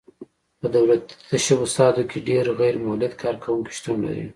په دولتي تشبثاتو کې ډېر غیر مولد کارکوونکي شتون لري.